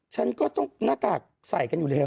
ฉันก็ต้องหน้ากากใส่กันอยู่แล้ว